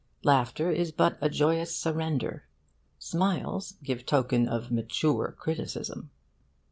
Laughter is but a joyous surrender, smiles give token of mature criticism.